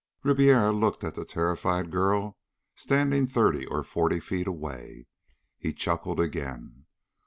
Ribiera looked at the terrified girl standing thirty or forty feet away. He chuckled again.